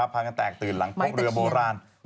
พากันแตกตื่นหลังพบเรือโบราณ